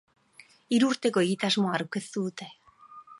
Hiru urteko egitasmoa aurkeztu dute.